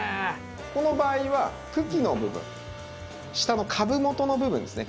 この場合は茎の部分下の株元の部分ですね